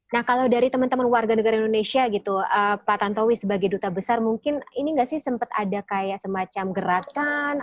nah kalau dari teman teman warga negara indonesia gitu pak tantowi sebagai duta besar mungkin ini nggak sih sempat ada kayak semacam gerakan